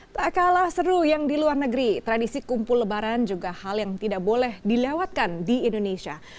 tak kalah seru yang di luar negeri tradisi kumpul lebaran juga hal yang tidak boleh dilewatkan di indonesia